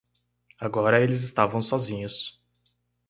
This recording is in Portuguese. Agora eles estavam sozinhos.